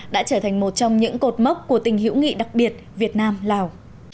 đã trở thành một trong những cột mốc của tình hữu nghị đặc biệt việt nam lào